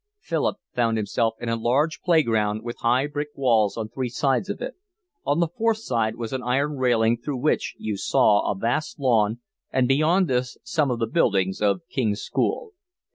Philip found himself in a large play ground with high brick walls on three sides of it. On the fourth side was an iron railing through which you saw a vast lawn and beyond this some of the buildings of King's School.